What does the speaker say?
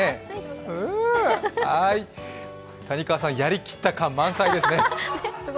はーい、谷川さん、やりきった感、満載ですね。